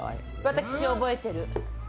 私、覚えてる。